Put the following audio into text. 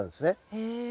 へえ。